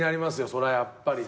そりゃやっぱりね。